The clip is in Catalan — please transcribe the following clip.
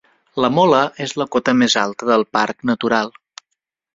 La Mola és la cota més alta del Parc Natural.